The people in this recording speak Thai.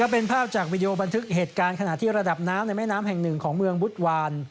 เป็นภาพจากวิดีโอบันทึกเหตุการณ์ขณะที่ระดับน้ำในแม่น้ำแห่งหนึ่งของเมืองบุตรวาน